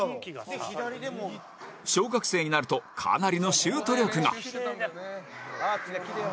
小学生になるとかなりのシュート力が！